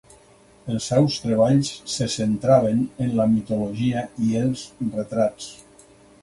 Els seus treballs se centraven en la mitologia i els retrats.